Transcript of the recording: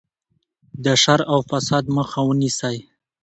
د شر او فساد مخه ونیسئ.